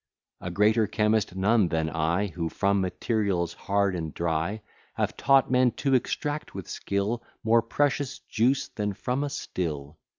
A greater chemist none than I Who, from materials hard and dry, Have taught men to extract with skill More precious juice than from a still.